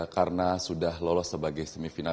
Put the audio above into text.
karena sudah lolos sebagai semifinal